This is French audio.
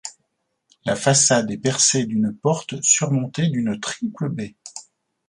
La façade est percée d'une porte surmontée d'une triple baie.